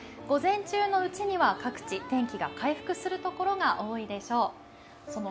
午前中のうちには各地、天気が回復するところが多いでしょう。